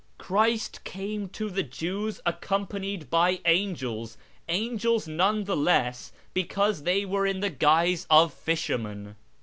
Christ came to the Jews accompanied by angels — angels none ithe less because they were in the guise of fishermen.